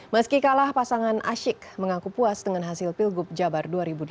meski kalah pasangan asyik mengaku puas dengan hasil pilgub jabar dua ribu delapan belas